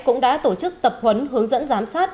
cũng đã tổ chức tập huấn hướng dẫn giám sát